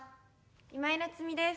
今井菜津美です。